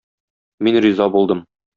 Мин риза булдым.